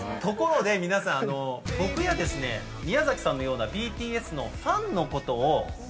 ところで皆さん僕やですね宮崎さんのようなＢＴＳのファンのことを。